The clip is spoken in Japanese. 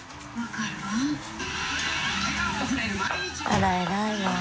あら偉いわ。